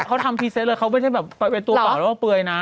เขาทำพรีเซตเลยเขาไม่ได้แบบไปตัวเปล่าแล้วก็เปลือยนะ